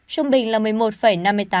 trung bình là một mươi một